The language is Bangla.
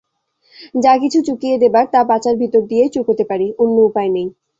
যা-কিছু চুকিয়ে দেবার তা বাঁচার ভিতর দিয়েই চুকোতে পারি– অন্য উপায় নেই।